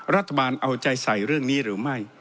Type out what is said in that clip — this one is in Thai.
รัฐบาลเอาใจใส่เรื่องนี้หรือไม่